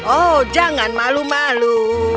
oh jangan malu malu